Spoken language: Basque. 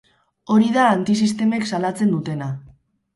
Hori da antisistemek salatzen dutena.